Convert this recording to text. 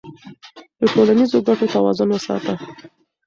د ټولنیزو ګټو توازن وساته.